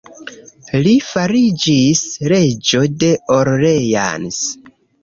Li fariĝis reĝo de Orleans.